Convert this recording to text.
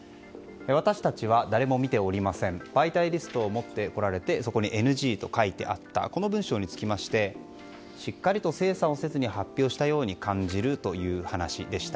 私たちは誰も見ておりません媒体リストを持ってこられてそこにＮＧと書いてあったという文章に対してしっかりと精査せずに発表したように感じるという話でした。